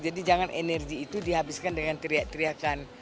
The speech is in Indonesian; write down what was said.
jadi jangan energi itu dihabiskan dengan teriak teriakan